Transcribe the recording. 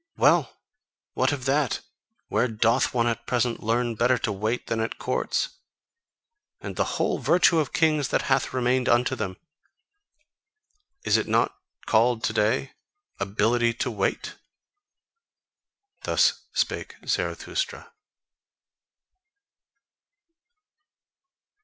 Well! What of that! Where doth one at present learn better to wait than at courts? And the whole virtue of kings that hath remained unto them is it not called to day: ABILITY to wait?" Thus spake Zarathustra.